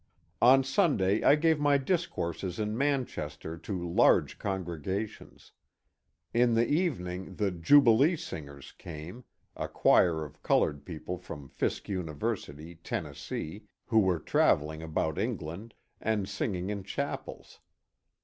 On Sunday I gave my discourses in Manchester to large congregations. In the evening the " Jubilee Singers " came, — a choir of coloured people from Fisk University, Tennessee, who were travelling about England, and singing in chapels.